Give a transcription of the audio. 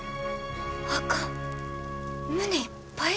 あかん胸いっぱいや。